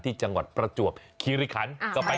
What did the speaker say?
ที่จังหวัดประจวบคิริคัน